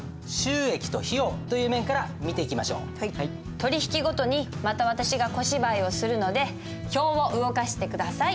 取引ごとにまた私が小芝居をするので表を動かして下さい。